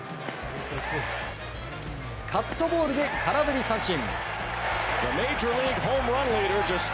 カットボールで空振り三振。